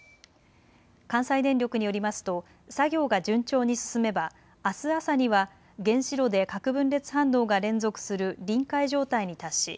関西電力によりますと作業が順調に進めばあす朝には原子炉で核分裂反応が連続する臨界状態に達し